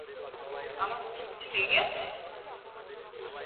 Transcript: আমার মুখে কিছু লেগে আছে?